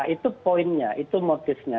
itu poinnya itu motifnya